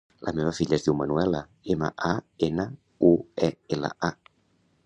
La meva filla es diu Manuela: ema, a, ena, u, e, ela, a.